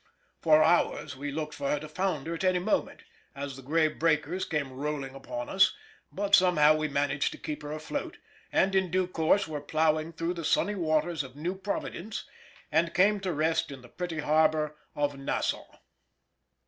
For hours we looked for her to founder at any moment, as the gray breakers came rolling upon us, but somehow we managed to keep her afloat, and in due course were ploughing through the sunny waters of New Providence, and came to rest in the pretty harbour of Nassau.